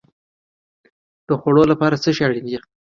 د خوړو لپاره څه شی اړین دی؟